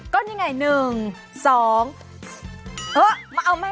ก็นี่ไง๑๒